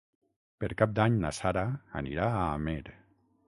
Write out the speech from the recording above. Per Cap d'Any na Sara anirà a Amer.